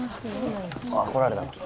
ああ来られたわ。